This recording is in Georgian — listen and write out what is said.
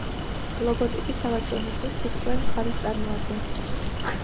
ლოგოტიპი სავაჭრო ნიშნის სიტყვიერ მხარეს წარმოადგენს.